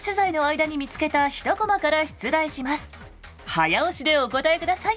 早押しでお答えください。